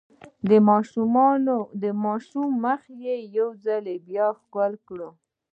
د ماشوم مخ يې يو ځل بيا ښکل کړ.